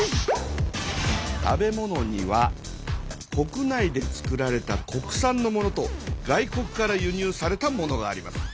食べ物には国内で作られた国産のものと外国から輸入されたものがあります。